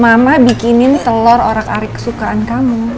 mama bikinin telur orak arik kesukaan kamu